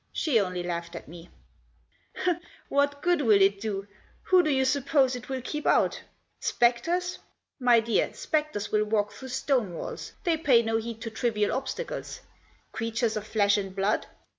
She only laughed at me. "What good will it do? Who do you suppose it will Digitized by THE SHUTTING OF A DOOR. 109 keep out? Spectres? My dear, spectres will walk through stone walls. They pay no heed to trivial obstacles. Creatures of flesh and blood